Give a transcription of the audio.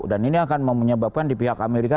dan ini akan menyebabkan di pihak amerika